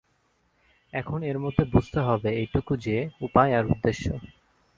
এখন এর মধ্যে বুঝতে হবে এইটুকু যে, উপায় আর উদ্দেশ্য।